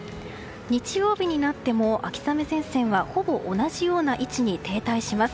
日曜日になっても秋雨前線はほぼ同じような位置に停滞します。